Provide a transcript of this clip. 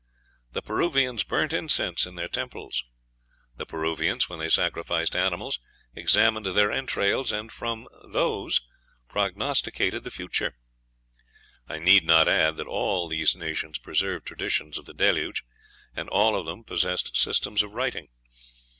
The Peruvians burnt incense in their temples. The Peruvians, when they sacrificed animals, examined their entrails, and from these prognosticated the future. I need not add that all these nations preserved traditions of the Deluge; and all of them possessed systems of writing.